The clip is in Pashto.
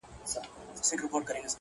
ځكه د كلي مشر ژوند د خواركي ورانوي;